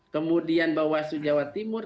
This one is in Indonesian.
kemudian bawaslu jawa timur